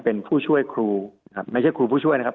เป็นผู้ช่วยครูไม่ใช่ครูผู้ช่วยนะครับ